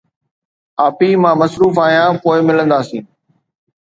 ابي مان مصروف آهيان، پوءِ ملنداسين